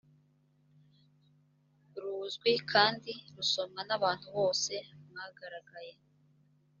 ruzwi kandi rusomwa n abantu bose mwagaragaye